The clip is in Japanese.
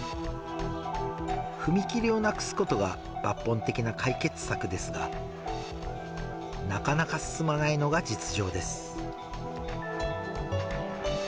踏切をなくすことが抜本的な解決策ですが、なかなか進まないのが実情です。